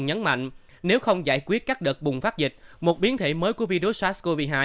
nhưng nếu không giải quyết các đợt bùng phát dịch một biến thể mới của virus sars cov hai